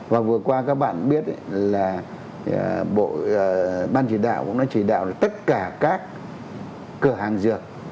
và vừa qua các bạn biết là ban chỉ đạo cũng đã chỉ đạo tất cả các cửa hàng dược